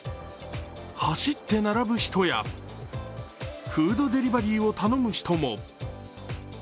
走って並ぶ人やフードデリバリーを頼む人も。